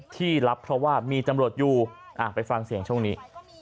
ที่รับเพราะว่ามีตำรวจอยู่ไปฟังเสียงช่วงนี้